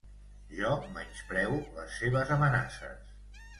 Jo menyspreo les seves amenaces.